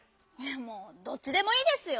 もうどっちでもいいですよ。